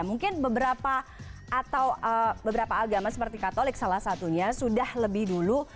mungkin beberapa atau beberapa agama seperti katolik salah satunya sudah lebih dulu